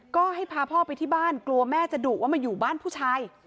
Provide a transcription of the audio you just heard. ก็ให้พาพ่อไปที่บ้านกลัวแม่จะดุว่ามาอยู่บ้านผู้ชาย